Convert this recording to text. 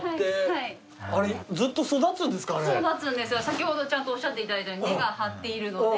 先ほどちゃんとおっしゃっていただいたように根が張っているので。